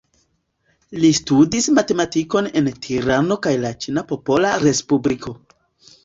Li studis matematikon en Tirano kaj la Ĉina Popola Respubliko.